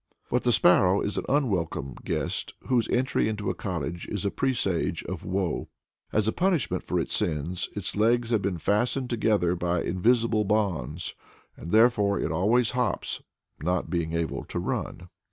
But the sparrow is an unwelcome guest, whose entry into a cottage is a presage of woe. As a punishment for its sins, its legs have been fastened together by invisible bonds, and therefore it always hops, not being able to run.